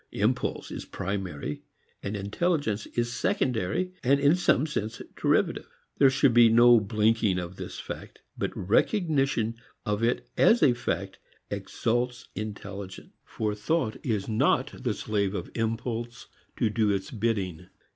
Impulse is primary and intelligence is secondary and in some sense derivative. There should be no blinking of this fact. But recognition of it as a fact exalts intelligence. For thought is not the slave of impulse to do its bidding.